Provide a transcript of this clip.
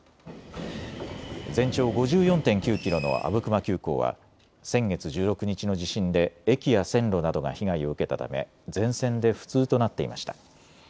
全長５４．９キロの阿武隈急行は先月１６日の地震で駅や線路などが被害を受けたため全線で不通となっていました。